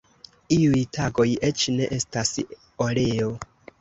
Iuj tagoj eĉ ne estas oleo.